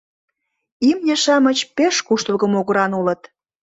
Имне-шамыч пеш куштылго могыран улыт.